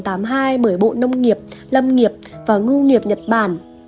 vào năm một nghìn chín trăm tám mươi hai bởi bộ nông nghiệp lâm nghiệp và ngu nghiệp nhật bản